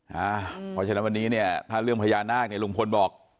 เพราะฉะนั้นวันนี้เนี่ยถ้าเรื่องพญานาคเนี่ยลุงพลบอก